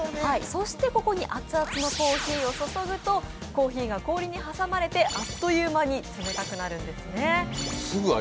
そしてここに熱々のコーヒーを注ぐとコーヒーが氷に挟まれてあっという間に冷たくなるんですね。